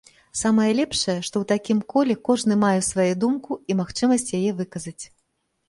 Самае лепшае, што ў такім коле кожны мае сваю думку і магчымасць яе выказаць.